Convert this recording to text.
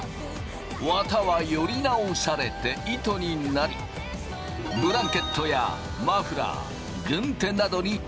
綿はより直されて糸になりブランケットやマフラー軍手などにリサイクルされる。